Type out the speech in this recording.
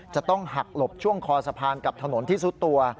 จะต้องหักหลบช่วงคอสะพานกับถนนที่สุดตัว